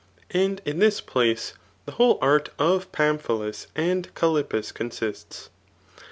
And in this place the whole »rt of Pamphilus and Calip pus consists.